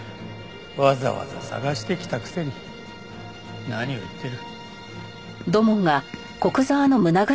わざわざ捜して来たくせに何を言ってる。